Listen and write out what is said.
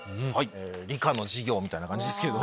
理科の授業みたいな感じですけど。